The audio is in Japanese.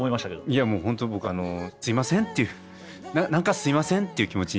いやもうホント僕すいませんっていう何かすいませんっていう気持ち。